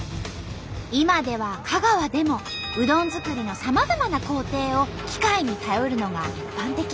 今では香川でもうどん作りのさまざまな工程を機械に頼るのが一般的。